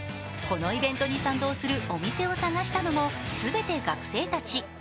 このイベントに賛同するお店を探したのもすべて学生たち。